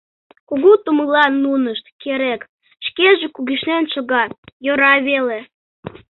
Кугу тумылан нунышт — керек, шкеже кугешнен шога — йӧра веле.